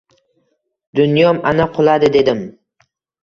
Dunyom ana quladi dedim.